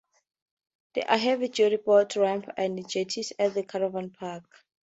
There are heavy-duty boat ramps and jetties at the caravan park.